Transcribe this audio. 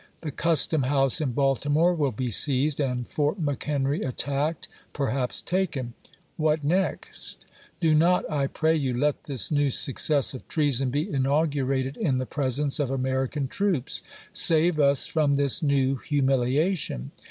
The custom house in Baltimore will be seized and Fort McHenry attacked — perhaps taken. What next ? Do not, I pray you, let this new success of treason Ltocoin! be inaugurated in the presence of American troops. Save sciuckerl^' us from this new humiliation.